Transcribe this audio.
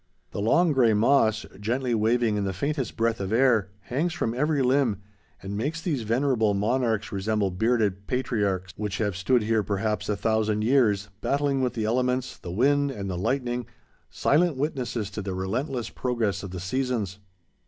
The long, gray moss, gently waving in the faintest breath of air, hangs from every limb, and makes these venerable monarchs resemble bearded patriarchs, which have stood here perhaps a thousand years battling with the elements, the wind, and the lightning, silent witnesses to the relentless progress of the seasons.